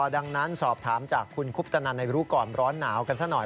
ดังนั้นสอบถามจากคุณคุปตนันในรู้ก่อนร้อนหนาวกันซะหน่อย